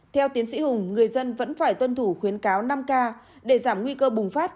theo tiến sĩ hùng người dân vẫn phải tuân thủ khuyến cáo năm k để giảm nguy cơ bùng phát